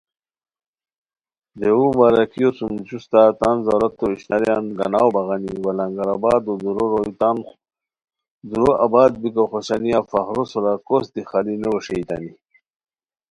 دیوو بمبارکیو سُم جوستہ تان ضرورتو اشناریان گاناؤ بغانی وا لنگر آبادو دُورو روئے تان دُورو آباد بیکو خوشانیہ فخرو سورا کوس دی خالی نو ویݰیتانی